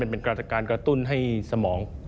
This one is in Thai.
เป็นการกระตุ้นให้สมอง